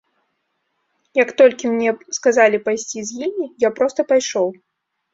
Як толькі мне сказалі пайсці з імі, я проста пайшоў.